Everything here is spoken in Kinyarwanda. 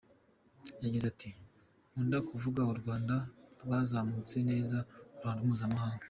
Yagize ati “Nkunda kuvuga ko u Rwanda rwazamutse neza ku ruhando mpuzamahanga.